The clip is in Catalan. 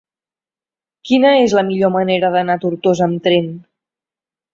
Quina és la millor manera d'anar a Tortosa amb tren?